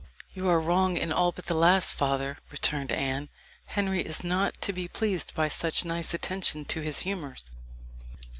"You are wrong in all but the last, father," returned Anne. "Henry is not to be pleased by such nice attention to his humours.